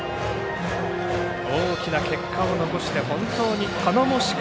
大きな結果を残して本当に頼もしく